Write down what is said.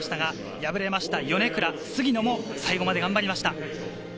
破れました米倉、杉野も最後まで頑張りました。